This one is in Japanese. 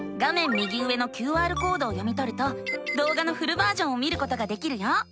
右上のＱＲコードを読みとるとどうがのフルバージョンを見ることができるよ。